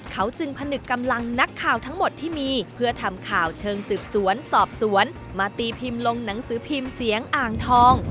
เขาจึงผนึกกำลังนักข่าวทั้งหมดที่มีเพื่อทำข่าวเชิงสืบสวนสอบสวนมาตีพิมพ์ลงหนังสือพิมพ์เสียงอ่างทอง